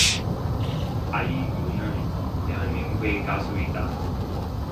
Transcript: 아이유는 대한민국의 가수이다.